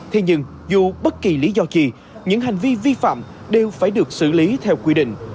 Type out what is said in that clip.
thế nhưng dù bất kỳ lý do gì những hành vi vi phạm đều phải được xử lý theo quy định